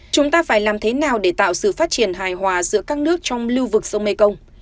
chúng ta phải làm thế nào để tạo sự phát triển hài hòa giữa các nước trong lưu vực sông mekong